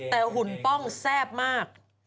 แต่หุ่นป้องแซ่บมาก